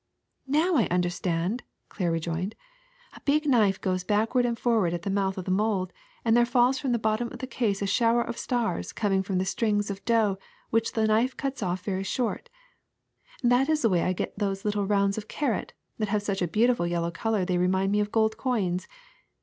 Now I understand," Claire rejoined. A big knife goes backward and forward at the mouth of the mold, and there falls from the bottom of the case a shower of stars coming from the strings of dough which the knife cuts off very short. That is the way I get those little rounds of carrot that have such a beautiful yellow color they remind me of gold coins.